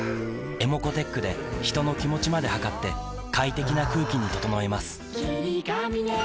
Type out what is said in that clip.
ｅｍｏｃｏーｔｅｃｈで人の気持ちまで測って快適な空気に整えます